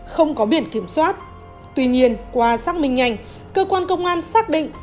không có biển kiểm soát tuy nhiên qua xác minh nhanh cơ quan công an xác định